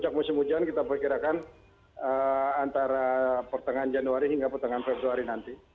hujan kita berkirakan antara pertengahan januari hingga pertengahan februari nanti